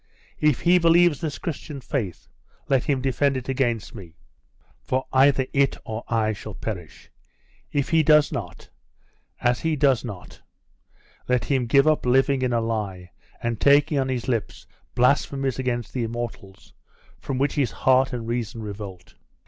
If he believes this Christian faith, let him defend it against me; for either it or I shall perish. If he does not as he does not let him give up living in a lie, and taking on his lips blasphemies against the immortals, from which his heart and reason revolt!